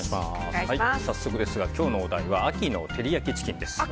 早速ですが、今日のお題は秋の照り焼きチキンです。